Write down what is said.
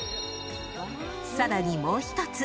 ［さらにもう一つ。